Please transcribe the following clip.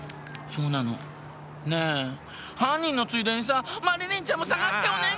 そうなの。ねぇ犯人のついでにさマリリンちゃんも捜してお願い！